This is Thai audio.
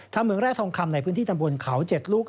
เมืองแร่ทองคำในพื้นที่ตำบลเขา๗ลูก